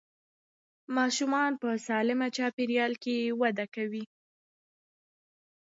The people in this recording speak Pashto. ماشومان په سالمه چاپېریال کې وده کوي.